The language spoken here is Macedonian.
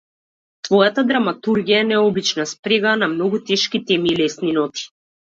Твојата драматургија е необична спрега на многу тешки теми и лесни ноти.